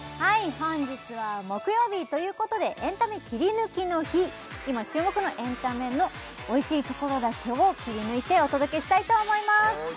本日は木曜日ということでエンタメキリヌキの日今注目のエンタメのおいしいところだけを切り抜いてお届けしたいと思います